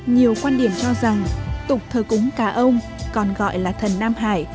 nhiều quan điểm cho rằng tục thờ cúng cà ông còn gọi là thần nam hải